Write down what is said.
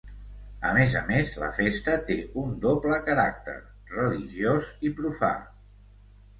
A més a més, la festa té un doble caràcter: religiós i profà.